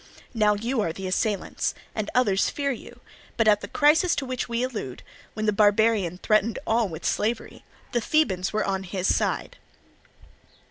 Now you are the assailants, and others fear you; but at the crisis to which we allude, when the barbarian threatened all with slavery, the Thebans were on his side.